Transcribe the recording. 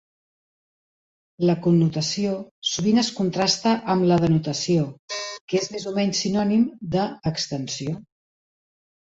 La connotació sovint es contrasta amb la "denotació", que és més o menys sinònim de "extensió".